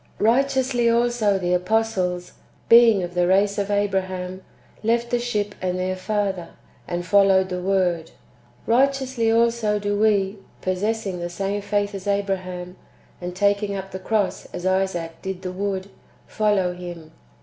4. Righteously also the apostles, being of the race of Abra ham, left the ship and their father, and followed the AYord. Righteously also do we, possessing the same faith as Abra ham, and taking up the cross as Isaac did the wood,^ follow Him.